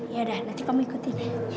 yaudah nanti kamu ikuti